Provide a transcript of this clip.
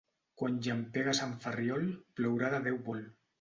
Quan llampega a Sant Ferriol, plourà de Déu vol.